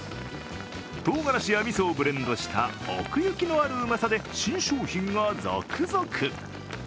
とうがらしや、みそをブレンドした奥行きのあるうまさで新商品が続々。